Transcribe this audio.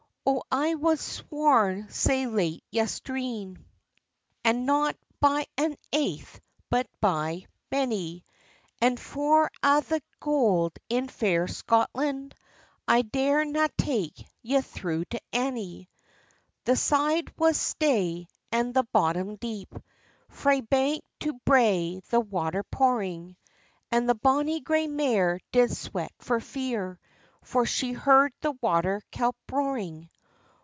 — "O I was sworn sae late yestreen, And not by ae aith, but by many; And for a' the gowd in fair Scotland, I dare na take ye through to Annie." The side was stey, and the bottom deep, Frae bank to brae the water pouring; And the bonny grey mare did sweat for fear, For she heard the water kelpy roaring.